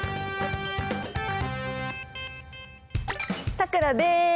さくらです！